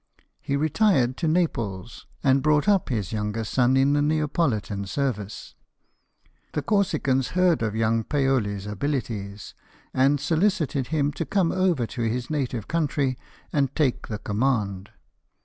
He retired to Naples, and brought up this his youngest son in the Neapolitan service. The Corsicans heard of young Paoli's abilities, and soHcited him to come over to his native country and take the command.